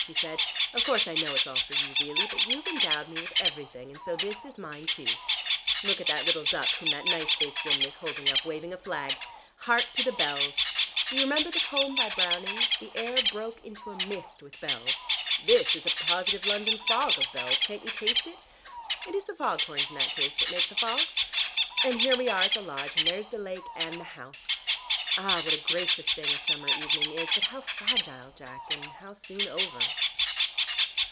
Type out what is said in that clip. she said. "Of course I know it's all for you really, but you've endowed me with everything, and so this is mine too. Look at that little duck whom that nice faced woman is holding up, waving a flag! Hark to the bells! Do you remember the poem by Browning, 'The air broke into a mist with bells'? This is a positive London fog of bells; can't you taste it? Is it the foghorns, in that case, that make the fogs? And here we are at the lodge and there's the lake, and the house! Ah, what a gracious thing a summer evening is. But how fragile, Jack, and how soon over."